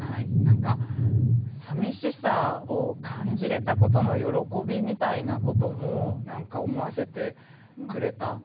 何か寂しさを感じれたことの喜びみたいなことも思わせてくれた。